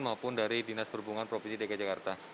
maupun dari dinas perhubungan provinsi dki jakarta